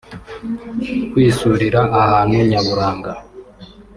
kwisurira ahantu nyaburanga